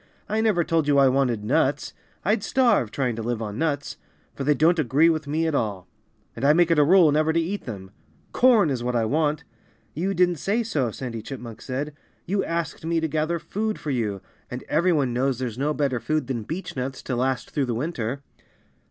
"I never told you I wanted nuts. I'd starve, trying to live on nuts; for they don't agree with me at all. And I make it a rule never to eat them. Corn is what I want." "You didn't say so," Sandy Chipmunk said. "You asked me to gather food for you. And every one knows there's no better food than beechnuts to last through the winter."